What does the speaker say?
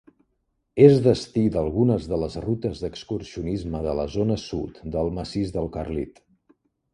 És destí d'algunes de les rutes d'excursionisme de la zona sud del Massís del Carlit.